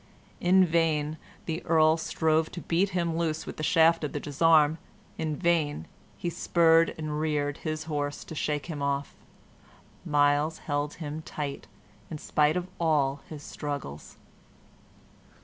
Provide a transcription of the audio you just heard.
In vain the Earl strove to beat him loose with the shaft of the gisarm, in vain he spurred and reared his horse to shake him off; Myles held him tight, in spite of all his struggles.